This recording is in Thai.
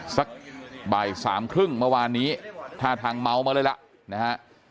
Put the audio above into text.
สักบ่ายสามครึ่งเมื่อวานนี้ท่าทางเมามาเลยล่ะนะฮะ